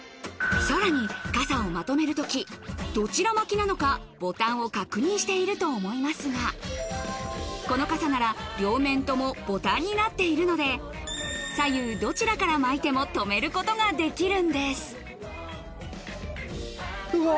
さらに傘をまとめる時どちら巻きなのかボタンを確認していると思いますがこの傘なら両面ともボタンになっているので左右どちらから巻いても留めることができるんですうわ